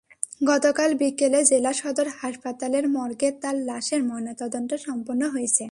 গতকাল বিকেলে জেলা সদর হাসপাতালের মর্গে তাঁর লাশের ময়নাতদন্ত সম্পন্ন হয়েছে।